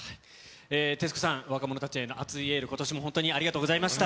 徹子さん、若者たちへの熱いエール、ことしも本当にありがとうございました。